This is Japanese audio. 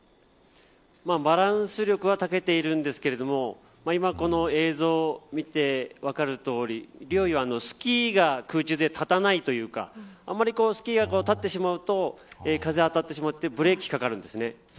バランス力はたけているんですけれども今、この映像を見て分かるとおり陵侑はスキーが空中で立たないというかあまりスキーが立ってしまうと風が当たってブレーキがかかるんです。